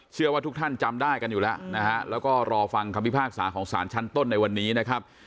เชื่อว่าทุกท่านจำได้กันอยู่แล้วนะฮะแล้วก็รอฟังคำพิพากษาของสารชั้นต้นในวันนี้นะครับ